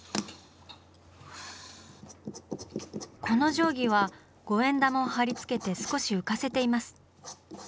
この定規は５円玉を貼り付けて少し浮かせています。